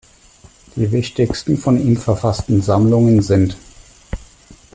Die wichtigsten von ihm verfassten Sammlungen sind